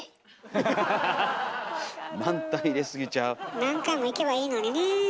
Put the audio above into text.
何回も行けばいいのねえ。